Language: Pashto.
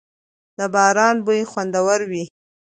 • د باران بوی خوندور وي.